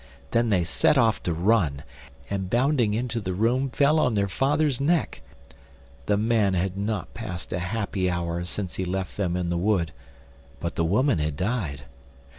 Then they set off to run, and bounding into the room fell on their father's neck. The man had not passed a happy hour since he left them in the wood, but the woman had died.